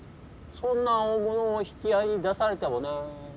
そんな大物を引き合いに出されてもね。